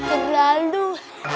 keluar keluar keluar